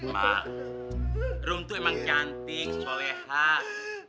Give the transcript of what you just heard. mak rum tuh emang cantik sepoleh hak